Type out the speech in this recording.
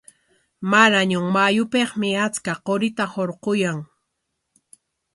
Marañon mayupikmi achka qurita hurquyan.